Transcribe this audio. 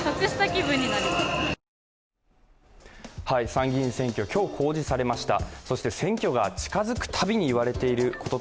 参議院選挙、今日公示されました